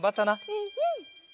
うんうん！